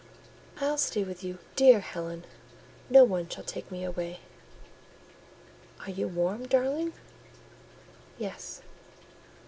"I'll stay with you, dear Helen: no one shall take me away." "Are you warm, darling?" "Yes."